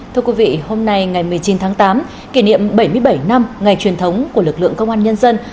thưa quý vị hôm nay ngày một mươi chín tháng tám kỷ niệm bảy mươi bảy năm ngày truyền thống của lực lượng công an nhân dân